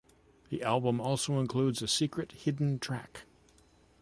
The album also includes a secret hidden track.